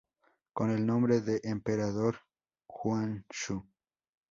Con el nombre de Emperador Guangxu.